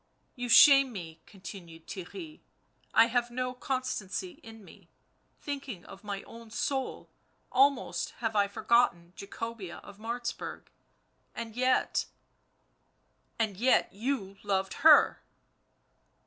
" You shame me," continued Theirry; " I have no constancy in me ; thinking of my own soul, almost have I forgotten Jacobea of Martzburg — and yet "" And yet you loved her."